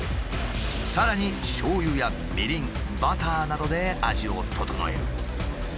さらにしょう油やみりんバターなどで味を調える。